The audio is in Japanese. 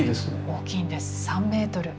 大きいんです３ｍ。